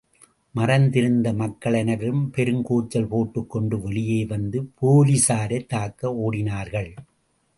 மறைந்திருந்த மக்கள் அனைவரும் பெரும் கூச்சல் போட்டு கொண்டு வெளியே வந்து போலீசாரைத் தாக்க ஓடினார்கள்.